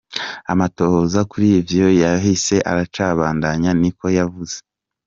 Amatohoza kuri ivyo vyashitse aracabandanya,” ni ko yavuze.